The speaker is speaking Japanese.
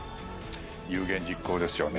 有言実行ですよね。